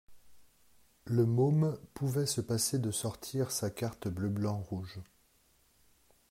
Le môme pouvait se passer de sortir sa carte bleu blanc rouge.